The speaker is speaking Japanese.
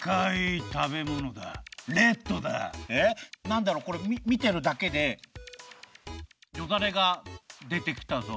なんだろこれみてるだけでよだれがでてきたぞ。